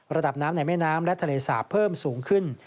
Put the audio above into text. ระดับน้ำในแม่น้ำและทะเลสาบเพิ่มสูงขึ้น